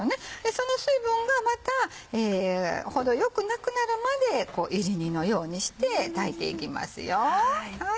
その水分がまた程よくなくなるまでいり煮のようにして炊いていきますよ。